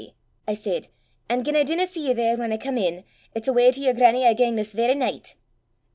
I said, 'an' gien I dinna see ye there whan I come in, it's awa' to your grannie I gang this varra nicht!